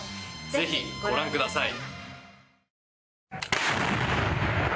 ぜひご覧ください。